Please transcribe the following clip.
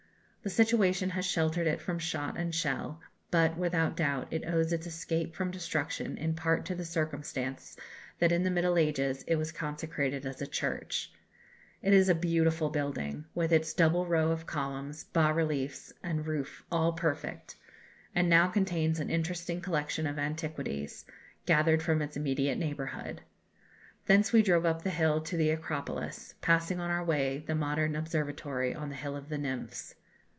The situation has sheltered it from shot and shell; but, without doubt, it owes its escape from destruction in part to the circumstance that in the Middle Ages it was consecrated as a church. It is a beautiful building, with its double row of columns, bas reliefs, and roof all perfect, and now contains an interesting collection of antiquities, gathered from its immediate neighbourhood. Thence we drove up the hill to the Acropolis, passing on our way the modern observatory on the Hill of the Nymphs.